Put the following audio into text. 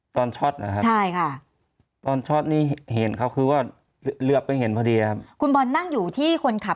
ช็อตนะครับใช่ค่ะตอนช็อตนี่เห็นเขาคือว่าเหลือไปเห็นพอดีครับคุณบอลนั่งอยู่ที่คนขับ